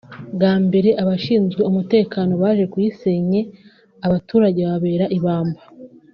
bwa mbere abashinzwe umutekano baje kuyisenye abaturage baba ibamba